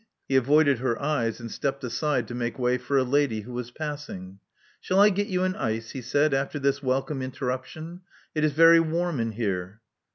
He avoided her eyes, and stepped aside to make way for a lady who was passing. Shall I get you an ice?" he said, after this welcome interruption. It is very warm in here."